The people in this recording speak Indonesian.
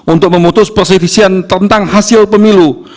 untuk memutus perselivisian tentang hasil pemilu